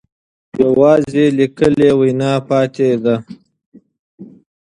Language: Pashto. یوازې لیکلې وینا پاتې ده.